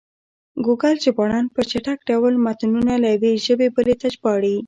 ګوګل ژباړن په چټک ډول متنونه له یوې ژبې بلې ته ژباړي.